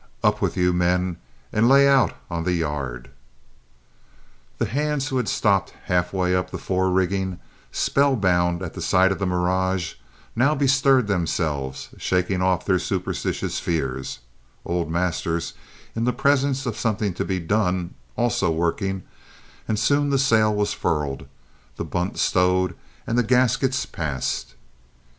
Up with you, men, and lay out on the yard!" The hands who had stopped half way up the fore rigging, spell bound at the sight of the mirage, now bestirred themselves, shaking off their superstitious fears; old Masters, in the presence of something to be done, also working, and soon the sail was furled, the bunt stowed, and the gaskets passed.